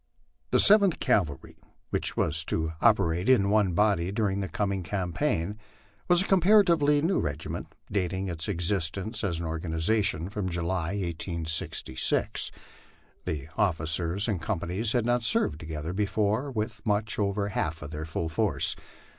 The Seventh Cavalry, which was to operate in one body during the coming campaign, was a comparatively new regiment, dating its existence as an organ ization from July, 1866. The officers and companies had not served together before with much over half their full force.